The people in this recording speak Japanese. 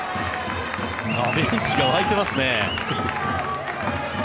ベンチが沸いてますね。